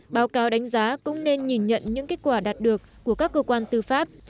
báo cáo đánh giá cũng nên nhìn nhận những kết quả đạt được của các cơ quan tư pháp